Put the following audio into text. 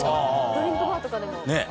ドリンクバーとかでも。ねぇ。